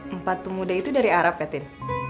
empat pemuda itu dari arab ya tin